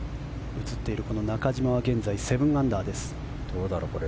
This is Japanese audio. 映っている中島は現在、７アンダーです。